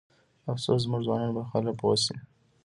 افسوس زموږ ځوانان به هله پوه شي.